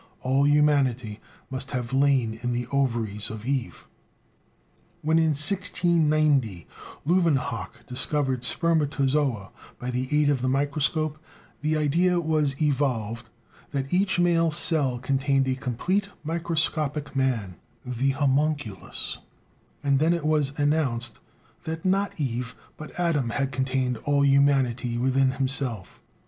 All humanity must have lain in the ovaries of Eve. When in 1690 Leuwenhoek discovered spermatozoa by the aid of the microscope, the idea was evolved that each male cell contained a complete microscopic man, the homunculus; and then it was announced that not Eve, but Adam had contained all humanity within himself.